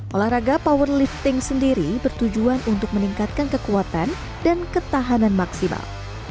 olahraga power lifting sendiri bertujuan untuk meningkatkan kekuatan dan ketahanan maksimal